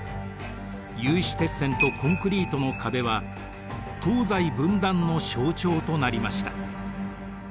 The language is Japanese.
有刺鉄線とコンクリートの壁は東西分断の象徴となりました。